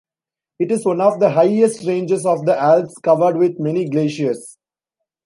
It is one of the highest ranges of the Alps, covered with many glaciers.